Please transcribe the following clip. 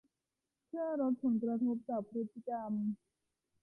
เพื่อลดผลกระทบจากพฤติกรรม